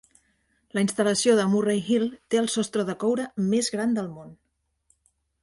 La instal·lació de Murray Hill té el sostre de coure més gran del món.